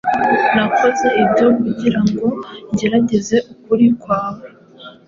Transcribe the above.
Nakoze ibyo kugira ngo ngerageze ukuri kwawe;